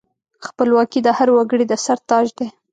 خپلواکي د هر وګړي د سر تاج دی.